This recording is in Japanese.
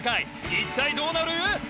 一体どうなる？